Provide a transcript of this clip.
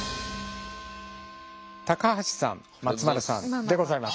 高橋さん松丸さんでございます。